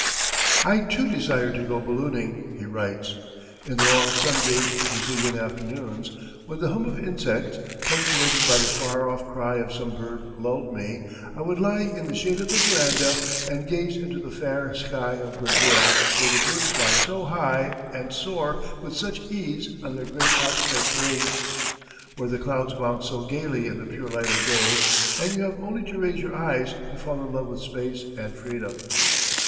_)] I too desired to go ballooning [he writes]. In the long sun bathed Brazilian afternoons, when the hum of insects, punctuated by the far off cry of some bird lulled me, I would lie in the shade of the veranda and gaze into the fair sky of Brazil where the birds fly so high and soar with such ease on their great outstretched wings; where the clouds mount so gaily in the pure light of day, and you have only to raise your eyes to fall in love with space and freedom.